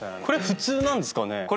これ普通なんですかね？